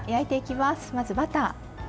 まずバター。